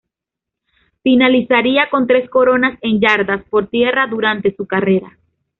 Finalizaría con tres coronas en yardas por tierra durante su carrera.